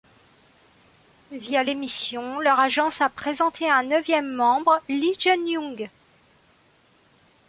Via l’émission, leur agence a présenté un neuvième membre Lee Junyoung.